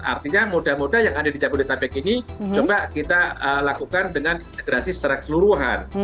artinya mudah mudahan yang ada di jabodetabek ini coba kita lakukan dengan integrasi secara keseluruhan